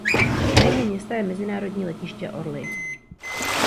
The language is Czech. Na jihu města je mezinárodní letiště Orly.